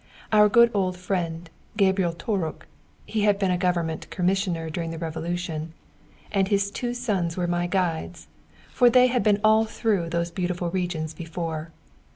Our good old friend Gabriel Török (he had been a Government Commissioner during the Revolution) and his two sons were my guides, for they had been all through those beautiful regions before.